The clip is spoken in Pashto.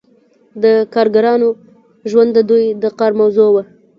د کارګرانو ژوند د دوی د کار موضوع وه.